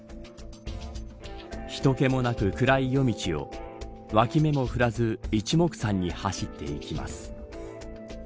人気もなく暗い夜道を脇目もふらず一目散に走っていきます。